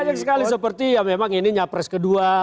banyak sekali seperti ya memang ini nyapres kedua